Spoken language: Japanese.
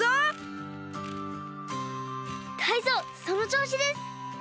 タイゾウそのちょうしです。